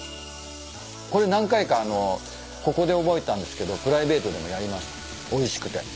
これ何回かあのここで覚えたんですけどプライベートでもやりましたおいしくて。